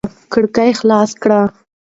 کړکۍ خلاصه کړه.